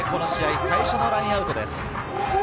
この試合、最初のラインアウトです。